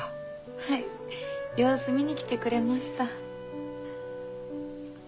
はい様子見に来てくれました。